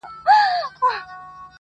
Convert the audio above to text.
روح مي لاندي تر افسون دی نازوه مي -